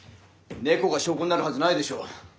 猫が証拠になるはずないでしょう。